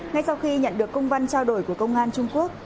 ngay sau khi nhận được công văn trao đổi của công an trung quốc